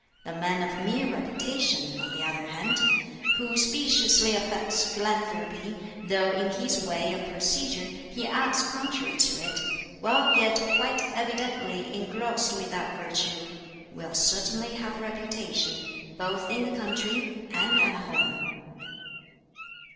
The man of mere reputation, on the other hand, who speciously affects philanthropy, though in his way of procedure he acts contrary to it, while yet quite evidently engrossed with that virtue will certainly have reputation, both in the country and at home."